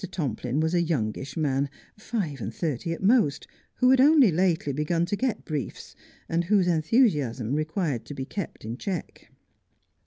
Tomplin was a youngish man, hve and thirty at most, who had only lately begun to get briefs, and whose enthusiasm required to be kept in check.